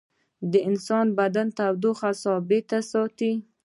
د انسان بدن تودوخه ثابته ساتي